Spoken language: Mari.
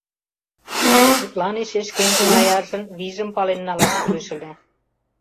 Тудлан эше шкенжын аяржын вийжым пален налаш кӱлеш ыле.